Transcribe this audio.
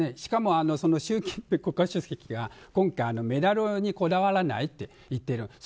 しかも習近平国家主席は今回、メダルにこだわらないって言ってる。